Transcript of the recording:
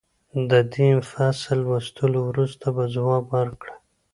د دې فصل لوستلو وروسته به ځواب ورکړئ.